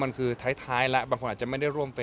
มันคือท้ายแล้วบางคนอาจจะไม่ได้ร่วมเฟส